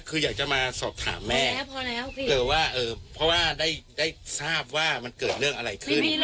ต้องมาสัมภาษณ์แม่หนูแล้วแม่หนูจะติดไม่ค่อยดี